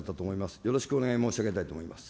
よろしくお願い申し上げたいと思います。